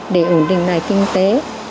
để ổn định lại kinh tế